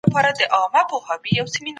په ترازو وزن معلومېږي.